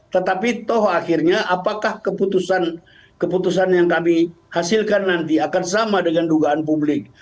tetapi toh akhirnya apakah keputusan keputusan yang kami hasilkan nanti akan sama dengan dugaan publik